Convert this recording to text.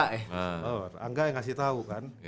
whistleblower enggak yang ngasih tau kan